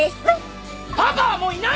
パパはもういないんだよ！